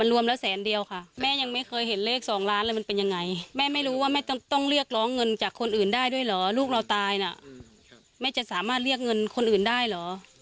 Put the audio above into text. ร้องเงินจากคนอื่นได้ด้วยเหรอลูกเราตายน่ะไม่จะสามารถเรียกเงินคนอื่นได้เหรอ